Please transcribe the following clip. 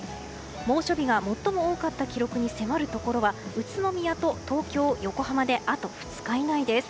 猛暑日が最も多かった記録に迫るところは宇都宮と東京、横浜であと２日以内です。